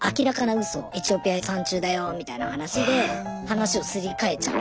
エチオピア三中だよみたいな話で話をすり替えちゃう。